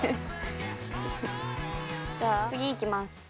じゃあ次いきます。